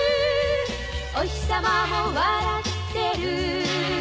「おひさまも笑ってる」